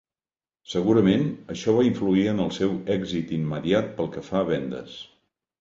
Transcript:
Segurament, això va influir en el seu èxit immediat pel que fa a vendes.